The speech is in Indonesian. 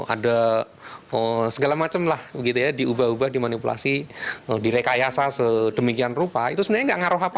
ada segala macem lah diubah ubah dimanipulasi direkayasa sedemikian rupa itu sebenarnya nggak ngaruh apa apa